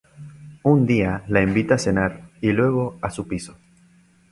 Un día la invita a cenar y luego a su piso.